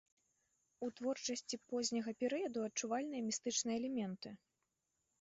У творчасці позняга перыяду адчувальныя містычныя элементы.